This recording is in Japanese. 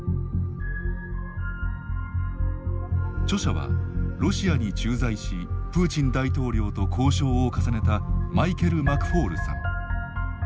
著者はロシアに駐在しプーチン大統領と交渉を重ねたマイケル・マクフォールさん。